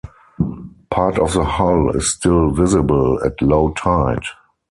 Part of the hull is still visible at low tide.